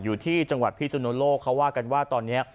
อยู่ที่จังหวัดพิสุนโลกเขาว่ากันว่าตอนนี้